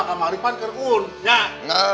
kamu arifan kerunt ya